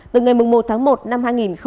từ ngày một tháng một năm hai nghìn hai mươi